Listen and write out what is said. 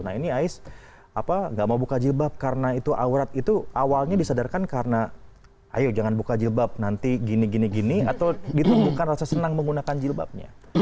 nah ini ais apa nggak mau buka jilbab karena itu aurat itu awalnya disadarkan karena ayo jangan buka jilbab nanti gini gini atau ditumbuhkan rasa senang menggunakan jilbabnya